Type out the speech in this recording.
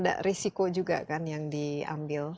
ada risiko juga kan yang diambil